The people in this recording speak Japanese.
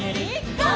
「ゴー！